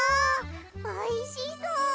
おいしそう！